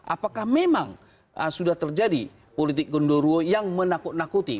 apakah memang sudah terjadi politik gondoruo yang menakut nakuti